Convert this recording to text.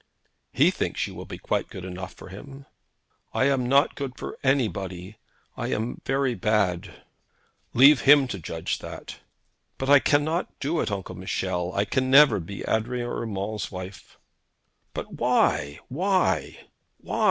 'He thinks you will be quite good enough for him.' 'I am not good for anybody. I am very bad.' 'Leave him to judge of that.' 'But I cannot do it, Uncle Michel. I can never be Adrian Urmand's wife.' 'But why, why, why?'